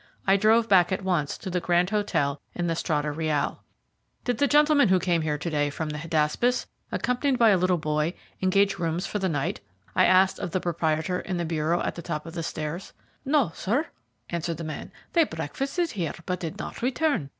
I drove back at once to the Grand Hotel in the Strada Reale. "Did the gentleman who came here to day from, the Hydaspes, accompanied by a little boy, engage rooms for the night?" I asked of the proprietor in the bureau at the top of the stairs. "No, sir," answered the man; "they breakfasted here, but did not return.